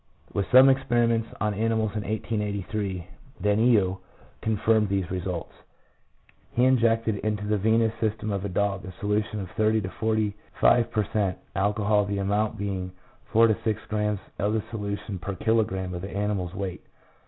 With some experiments on animals in 1883, Danillo confirmed these results. He injected into the venous system of a dog a solution of 30 to 45 per cent, alcohol, the amount being four to six grammes of the solution per kilogramme of the animal's weight.